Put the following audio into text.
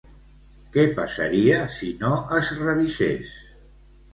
Què passaria si no es revisés?